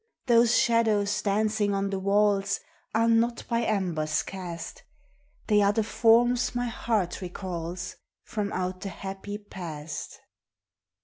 Those shadows dancing on the walls Are not by embers cast, They are the forms my heart recalls From out the happy past.